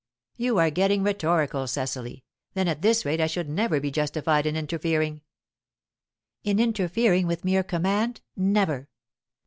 "You are getting rhetorical, Cecily. Then at this rate I should never be justified in interfering?" "In interfering with mere command, never."